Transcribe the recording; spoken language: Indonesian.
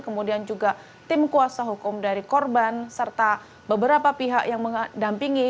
kemudian juga tim kuasa hukum dari korban serta beberapa pihak yang mendampingi